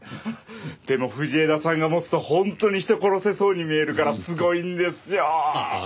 でも藤枝さんが持つと本当に人を殺せそうに見えるからすごいんですよ！